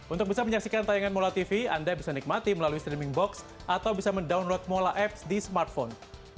untuk bisa menyaksikan tayangan mola tv anda bisa nikmati melalui streaming box atau bisa mendownload mola apps di smartphone